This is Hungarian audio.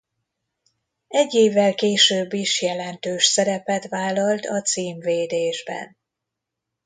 Egy évvel később is jelentős szerepet vállalt a címvédésben.